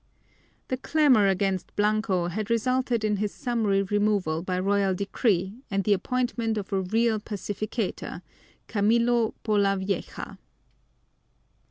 The clamor against Blanco had resulted in his summary removal by royal decree and the appointment of a real "pacificator," Camilo Polavieja.